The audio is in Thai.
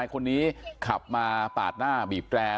หนีขับมาปากหน้าเบียบแปรง